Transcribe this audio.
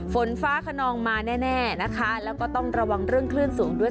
ฝนฟ้าขนองมาแน่และต้องระวังเรื่องครื่นสูงด้วย